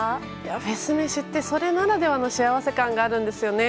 フェス飯ってそれならではの幸せ感があるんですよね。